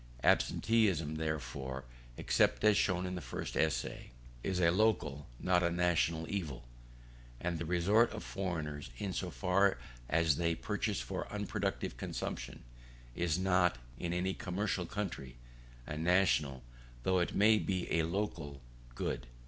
Absenteeism, therefore, (except as shown in the first Essay,) is a local, not a national evil; and the resort of foreigners, in so far as they purchase for unproductive consumption, is not, in any commercial country, a national, though it may be a local good.